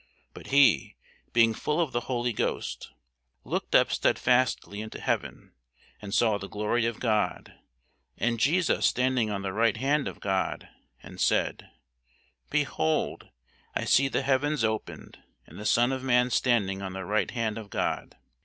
But he, being full of the Holy Ghost, looked up stedfastly into heaven, and saw the glory of God, and Jesus standing on the right hand of God, and said, Behold, I see the heavens opened, and the Son of man standing on the right hand of God.